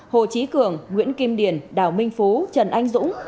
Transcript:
hồ chí cường nguyễn kim điền đào minh phú trần anh dũng